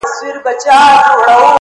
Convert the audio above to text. سترگي دي ژوند نه اخلي مرگ اخلي اوس”